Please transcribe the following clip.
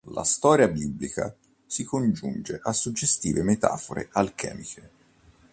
La storia biblica si congiunge a suggestive metafore alchemiche.